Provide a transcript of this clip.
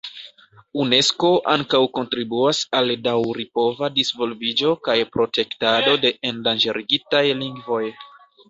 Unesko ankaŭ kontribuas al daŭripova disvolviĝo kaj protektado de endanĝerigitaj lingvoj.